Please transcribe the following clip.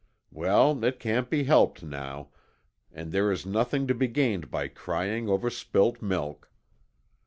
Well, it can't be helped now, and there is nothing to be gained by crying over spilt milk.